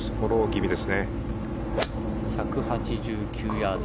１８９ヤード。